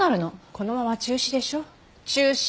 このまま中止でしょ中止！